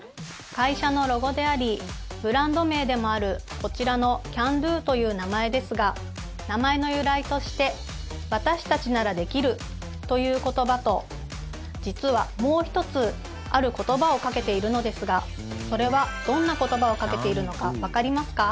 会社のロゴでありブランド名でもあるこちらのＣａｎ★Ｄｏという名前ですが名前の由来として私たちならできるという言葉と実は、もう１つある言葉を掛けているのですがそれはどんな言葉を掛けているのかわかりますか？